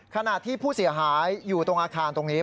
ขณะที่ผู้เสียหายอยู่ตรงอาคารตรงนี้